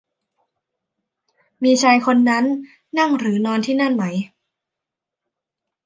มีชายคนนั้นนั่งหรือนอนที่นั่นไหม ?